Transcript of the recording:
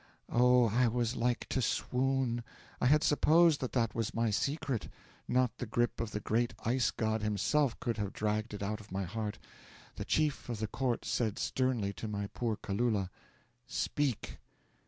'Oh, I was like to swoon! I had supposed that that was my secret; not the grip of the great Ice God himself could have dragged it out of my heart. The chief of the court said sternly to my poor Kalula: '"Speak!"